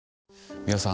美輪さん